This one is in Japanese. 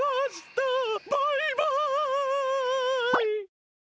バイバイ！